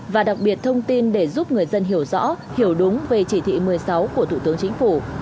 và đặc biệt thông tin để giúp người dân hiểu rõ hiểu đúng về chỉ thị một mươi sáu của thủ tướng chính phủ